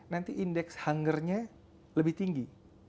nanti indeks hungernya lebih tinggi